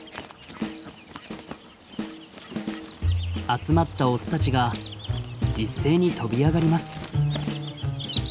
集まったオスたちが一斉に飛び上がります。